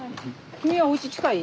君はおうち近い？